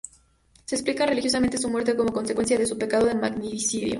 Se explica religiosamente su muerte como consecuencia de su pecado de magnicidio.